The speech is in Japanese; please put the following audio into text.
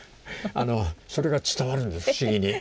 それが伝わるんです不思議に。